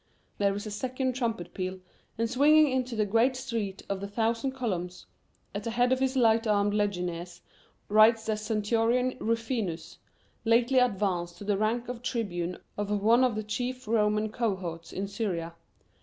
There is a second trumpet peal, and swinging into the great Street of the Thousand Columns, at the head of his light armed legionaries, rides the centurion Rufinus, lately advanced to the rank of tribune of one of the chief Roman cohorts in Syria.